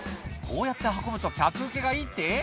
こうやって運ぶと客ウケがいいって？